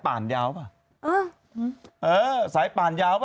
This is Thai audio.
บอกว่าสายป่านยาว